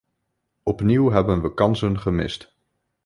Opnieuw hebben we kansen gemist.